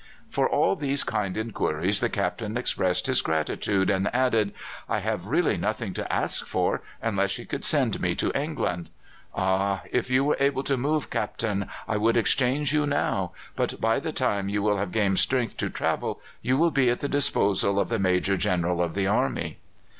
For all these kind inquiries the Captain expressed his gratitude, and added, "I have really nothing to ask for, unless you could send me to England." "Ah! if you were able to move, Captain, I could exchange you now; but by the time you will have gained strength to travel you will be at the disposal of the Major General of the army."